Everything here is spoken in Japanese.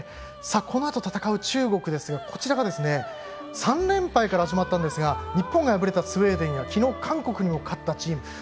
このあと戦う中国は３連敗から始まったんですが日本が敗れたスウェーデンや昨日、韓国にも勝ったチーム。